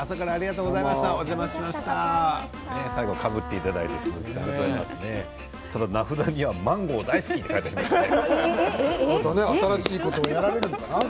最後かぶっていただいてただ名札にはマンゴー大好きと書いていましたね。